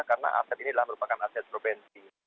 karena aset ini adalah merupakan aset provinsi